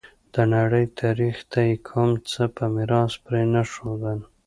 د نړۍ تاریخ ته یې کوم څه په میراث پرې نه ښودل.